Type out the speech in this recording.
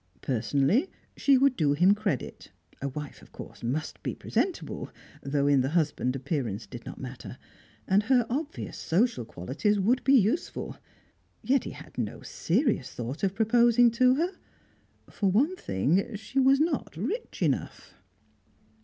Personally she would do him credit (a wife, of course, must be presentable, though in the husband appearance did not matter), and her obvious social qualities would be useful. Yet he had had no serious thought of proposing to her. For one thing, she was not rich enough.